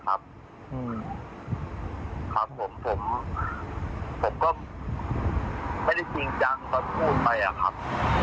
ครับผมผมก็ไม่ได้จริงจังตอนพูดไปอะครับ